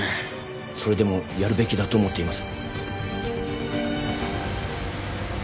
それでもやるべきだと思っています。